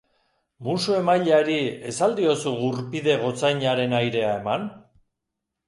Musu emaileari ez al diozu Gurpide gotzainaren airea eman?